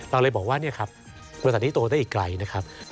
เราเลยบอกว่านี่ครับบริษัทนี้โตได้อีกไกลนะครับ